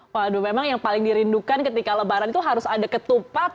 waduh memang yang paling dirindukan ketika lebaran itu harus ada ketupat